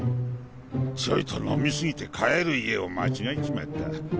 ちょいと飲み過ぎて帰る家を間違えちまった。